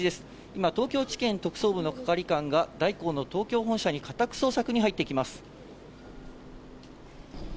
今、東京地検特捜部の係官が大広の東京本社に家宅捜索に入ってきます。